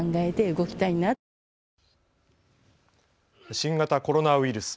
新型コロナウイルス。